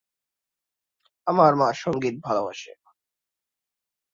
আমার মা সঙ্গীত ভালবাসে।